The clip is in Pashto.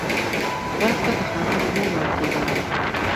بلخ ته د ښارونو مور ویل کیده